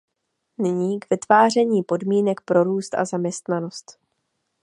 Nyní k vytváření podmínek pro růst a zaměstnanost.